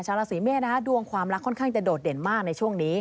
ราศีเมษดวงความรักค่อนข้างจะโดดเด่นมากในช่วงนี้